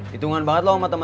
gak usah udahlah buka date dia